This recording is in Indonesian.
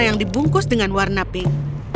yang dibungkus dengan warna pink